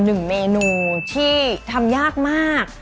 หนึ่งเมนูที่ทำยากมาก